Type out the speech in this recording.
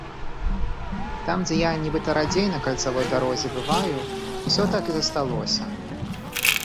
Там, дзе я нібыта радзей на кальцавой дарозе бываю, усё так і засталося.